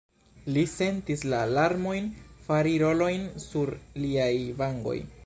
Li sentis la larmojn fari rojojn sur liaj vangoj.